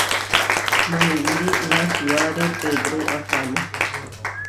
Maniwíri nasuare Pedró aháma.